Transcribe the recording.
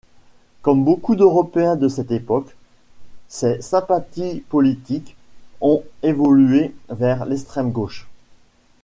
Comme beaucoup d'Européens de cette époque, ses sympathies politiques ont évolué vers l'extrême-gauche.